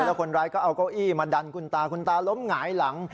แล้วคนร้ายก็เอาเก้าอี้มาดันคุณตาคุณตาล้มหงายหลัง